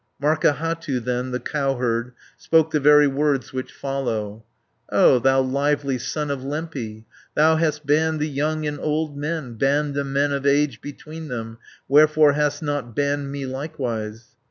Markahattu then, the cowherd, Spoke the very words which follow: "O thou lively son of Lempi, Thou hast banned the young and old men, 480 Banned the men of age between them, Wherefore hast not banned me likewise?"